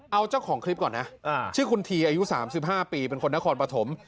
เอาเจ้าของคลิปก่อนนะอ่าชื่อคุณทีอายุสามสิบห้าปีเป็นคนนครปฐม